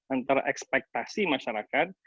antara ekspektasi masyarakat